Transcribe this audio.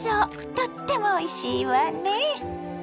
とってもおいしいわね。